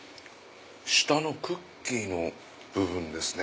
下のクッキーの部分ですね。